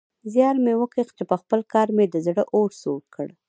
زيار مې وکيښ چې پخپل کار مې د زړه اور سوړ کړ.